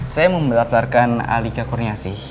saya mau melatarkan alika kurniasih